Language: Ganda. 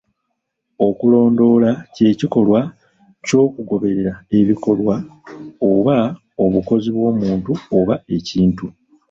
Okulondoola ky'ekikolwa ky'okugoberera ebikolwa oba obukozi bw'omuntu oba ekintu.